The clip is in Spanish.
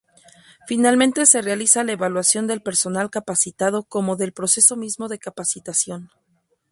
Finalmente se realiza la evaluación del personal capacitado como del proceso mismo de capacitación.